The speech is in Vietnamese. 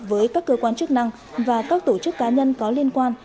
với các cơ quan chức năng và các tổ chức cá nhân có liên quan